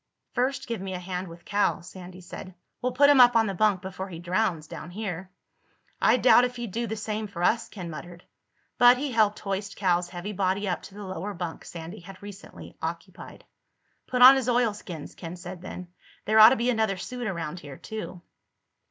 "First give me a hand with Cal," Sandy said. "We'll put him up on the bunk before he drowns down here." "I doubt if he'd do the same for us," Ken muttered. But he helped hoist Cal's heavy body up to the lower bunk Sandy had recently occupied. "Put on his oilskins," Ken said then. "There ought to be another suit around here too."